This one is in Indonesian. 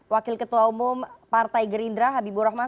wakil ketua umum partai gerindra habibur rahman